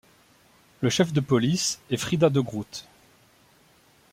Le chef de police est Frieda de Groot.